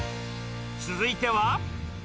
続いては。